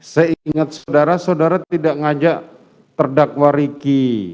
saya ingat saudara saudara tidak ngajak terdakwa riki